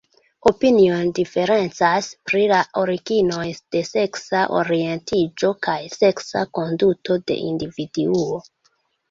Opinioj diferencas pri la originoj de seksa orientiĝo kaj seksa konduto de individuo.